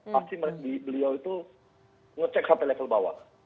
pasti beliau itu ngecek sampai level bawah